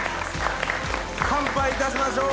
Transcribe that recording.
乾杯いたしましょう。